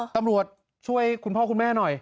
ตำรวจช่วยคุณพ่อคุณแม่หน่อย